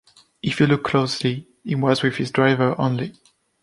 If you look closely, he was with his driver only.